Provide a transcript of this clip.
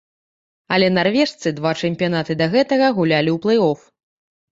Але нарвежцы два чэмпіянаты да гэтага гулялі ў плэй-оф.